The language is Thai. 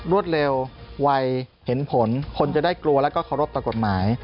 รวดเร็วไวเห็นผลคนจะได้กลัวแล้วก็เคารพต่อกฎหมาย